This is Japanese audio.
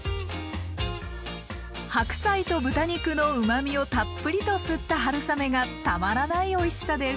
白菜と豚肉のうまみをたっぷりと吸った春雨がたまらないおいしさです！